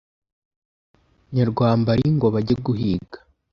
Nyarwambari ngo bage guhiga.